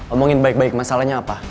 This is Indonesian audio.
omongin baik baik masalahnya apa